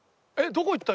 どこ行った？